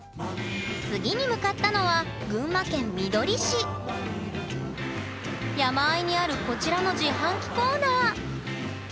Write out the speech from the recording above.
次に向かったのは山あいにあるこちらの自販機コーナー。